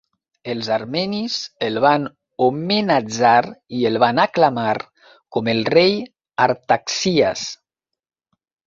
Els armenis el van homenatjar i el van aclamar com el rei Artaxias.